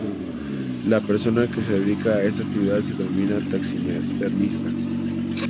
La persona que se dedica a esta actividad se denomina taxidermista.